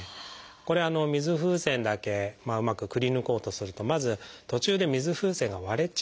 これ水風船だけうまくくりぬこうとするとまず途中で水風船が割れちゃうリスクがあるんですよね。